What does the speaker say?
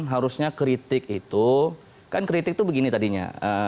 harusnya kritik itu kan kritik itu begini tadinya